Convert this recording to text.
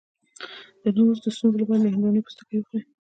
د نعوظ د ستونزې لپاره د هندواڼې پوستکی وخورئ